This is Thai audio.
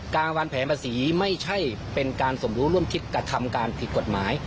การวางแผนภาษีไม่ใช่เป็นการสมรู้ร่วมคิดกระทำการผิดกฎหมาย